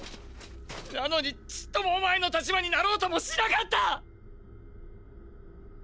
⁉なのにちっともお前の立場になろうともしなかった！！